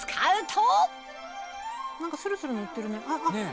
何かスルスル塗ってるねあっ。